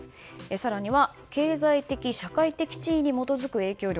更には経済的・社会的地位に基づく影響力。